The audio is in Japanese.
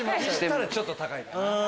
そしたらちょっと高いかな。